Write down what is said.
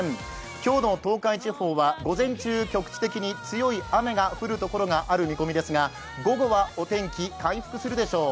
今日の東海地方は午前中、局地的に強い雨が降る所がある見込みですが午後はお天気回復するでしょう。